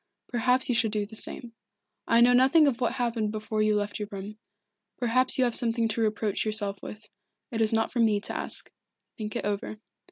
Perhaps you should do the same. I know nothing of what happened before you left your room. Perhaps you have something to reproach yourself with. It is not for me to ask. Think it over."